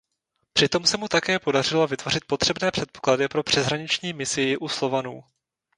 Při tom se mu také podařilo vytvořit potřebné předpoklady pro přeshraniční misii u Slovanů.